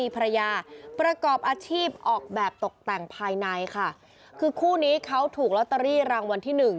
แปลงภายในค่ะคือคู่นี้เขาถูกล็อตเตอรี่รางวันที่หนึ่ง